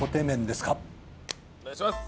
お願いします！